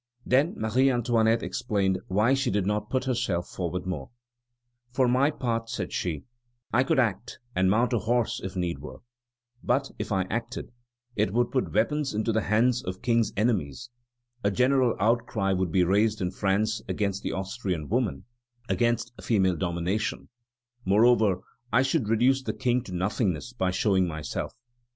Then Marie Antoinette explained why she did not put herself forward more: "For my part," said she, "I could act, and mount a horse if need were; but, if I acted, it would put weapons into the hands of King's enemies; a general outcry would be raised in France against the Austrian woman, against female domination; moreover, I should reduce the King to nothingness by showing myself.